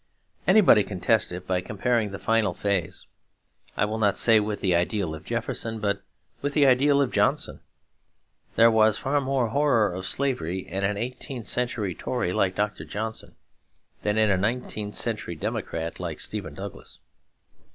Anybody can test it by comparing the final phase, I will not say with the ideal of Jefferson, but with the ideal of Johnson. There was far more horror of slavery in an eighteenth century Tory like Dr. Johnson than in a nineteenth century Democrat like Stephen Douglas.